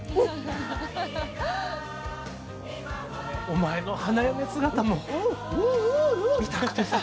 お前の花嫁姿も見たくてさ。